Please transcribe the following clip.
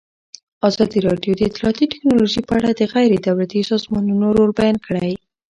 ازادي راډیو د اطلاعاتی تکنالوژي په اړه د غیر دولتي سازمانونو رول بیان کړی.